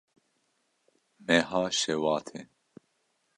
Meha Şewatê